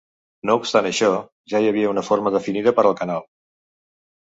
No obstant això, ja hi havia una forma definida per al canal.